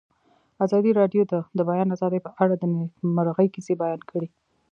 ازادي راډیو د د بیان آزادي په اړه د نېکمرغۍ کیسې بیان کړې.